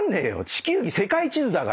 地球儀世界地図だから」